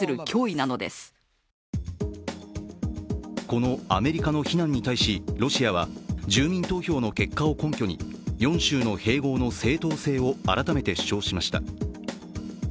このアメリカの非難に対しロシアは、住民投票の結果を根拠に４州の併合の正当性を改めて主張しました。